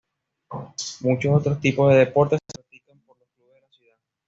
Muchos otros tipos de deportes se practican por los clubes de la ciudad.